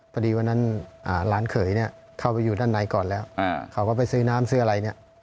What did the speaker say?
พอดีวันนั้นหลานเขยเนี่ยเข้าไปอยู่ด้านในก่อนแล้วเขาก็ไปซื้อน้ำซื้ออะไรเนี่ย